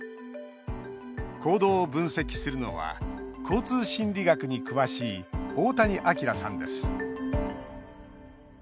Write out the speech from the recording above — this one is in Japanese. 行動を分析するのは交通心理学に詳しい大谷亮さんです。